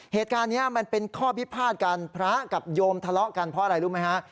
เหตุการณ์นี้มันเป็นข้อพิพาทกันพระกับโยมทะเลาะกันเพราะอะไรรู้ไหมฮะ